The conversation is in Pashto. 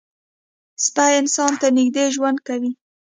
سپي انسان ته نږدې ژوند کوي.